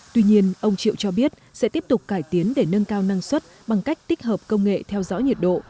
tuy nhiên ông triệu cho biết sẽ tiếp tục cải tiến để nâng cao năng suất bằng cách tích hợp công nghệ theo dõi nhiệt độ